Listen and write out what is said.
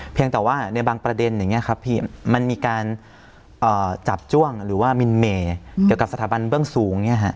เพียงแต่ว่าในบางประเด็นมีการจับจ้วงหรือว่ามินเมย์เกี่ยวกับสถาบันเบื้องสูง